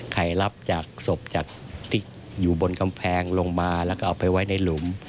ไข่ลับจากศพอยู่บนกำแพงลงมาแล้วก็เอาไปไว้ในหลุม